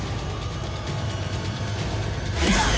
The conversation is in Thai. ไปค่ะฟอย